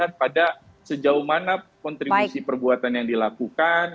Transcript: pendekatannya itu lebih melihat pada sejauh mana kontribusi perbuatan yang dilakukan